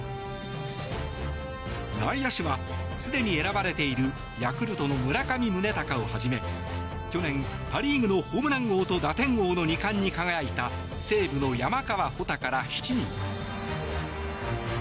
内野手は、すでに選ばれているヤクルトの村上宗隆をはじめ去年パ・リーグのホームラン王と打点王の２冠に輝いた西武の山川穂高ら７人。